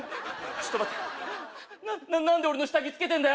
ちょっと待て何で俺の下着つけてんだよ